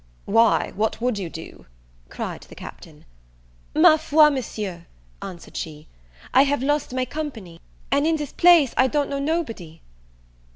"Why, what would you do?" cried the Captain. "Ma foi, Monsieur," answered she, "I have lost my company, and in this place I don't know nobody."